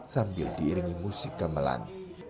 sambil diiringi musik kemelan